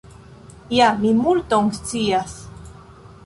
Ja mi multon scias.